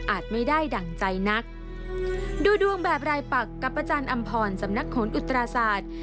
ไม่ได้ดั่งใจนักดูดวงแบบรายปักกับอาจารย์อำพรสำนักโหนอุตราศาสตร์